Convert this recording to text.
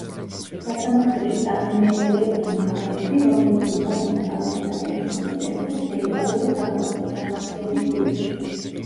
სასამართლოში წარმოდგენილი იყვნენ მხარეები, რომლებიც იცავდნენ თავიანთ საპროცესო ინტერესებს ნეიტრალური სახალხო მოსამართლეების წინაშე.